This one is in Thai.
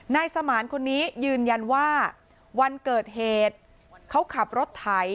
นายสมานคนนี้ยืนยันว่าวันเกิดเหตุเขาขับรถไถ